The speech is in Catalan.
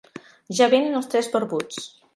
Ja venen els tres barbuts!